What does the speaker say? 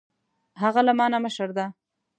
هغه له ما نه مشر ده